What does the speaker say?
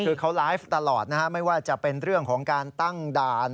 คือเขาไลฟ์ตลอดนะฮะไม่ว่าจะเป็นเรื่องของการตั้งด่าน